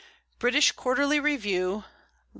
British Quarterly Review, v.